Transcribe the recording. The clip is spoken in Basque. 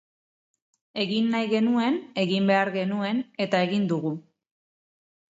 Egin nahi genuen, egin behar genuen eta egin dugu.